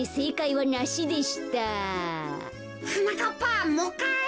はなかっぱもういっかい。